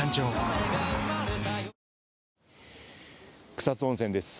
草津温泉です。